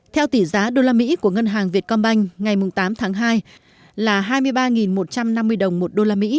theo tỷ giá usd của ngân hàng việt công banh ngày mùng tám tháng hai là hai mươi ba một trăm năm mươi đồng một usd